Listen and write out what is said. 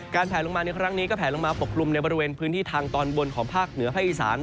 แผลลงมาในครั้งนี้ก็แผลลงมาปกกลุ่มในบริเวณพื้นที่ทางตอนบนของภาคเหนือภาคอีสาน